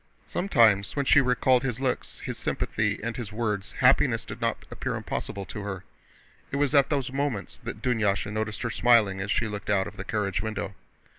Sometimes when she recalled his looks, his sympathy, and his words, happiness did not appear impossible to her. It was at those moments that Dunyásha noticed her smiling as she looked out of the carriage window.